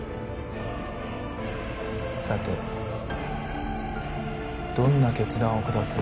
さてどんな決断を下す？